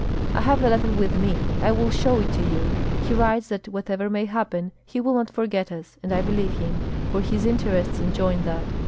"I have the letter with me; I will show it to you. He writes that whatever may happen he will not forget us; and I believe him, for his interests enjoin that.